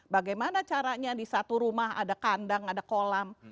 bagaimana caranya di satu rumah ada kandang ada kolam